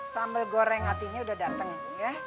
sambal goreng hatinya udah dateng ya